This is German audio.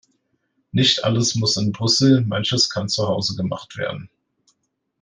Nicht alles muss in Brüssel, manches kann zu Hause gemacht werden.